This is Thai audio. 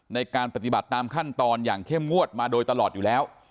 ในการปฏิบัติตามขั้นตอนอย่างเข้มงวดมาโดยตลอดอยู่แล้ว